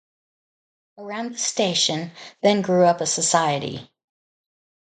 Around the station, then grew up a society.